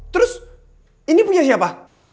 terus ini punya siapa